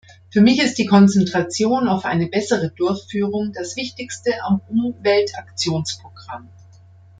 Für mich ist die Konzentration auf eine bessere Durchführung das wichtigste am Umweltaktionsprogramm.